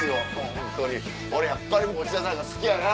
ホントに俺やっぱり持田さんが好きやな。